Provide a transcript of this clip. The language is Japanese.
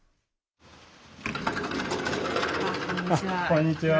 こんにちは。